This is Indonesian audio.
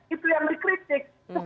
itu yang dikritik